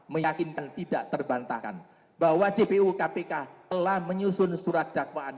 meyakinkan tidak terbantahkan bahwa jpu kpk telah menyusun surat dakwaan